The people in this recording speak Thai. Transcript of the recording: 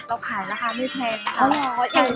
เราขายราคาไม่แพงค่ะ